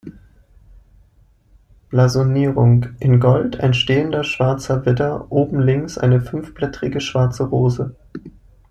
Blasonierung: In Gold ein stehender schwarzer Widder, oben links eine fünfblättrige schwarze Rose.